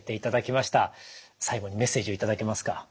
最後にメッセージを頂けますか？